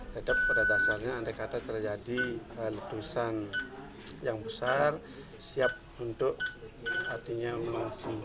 tetap pada dasarnya andai kata terjadi letusan yang besar siap untuk artinya mengungsi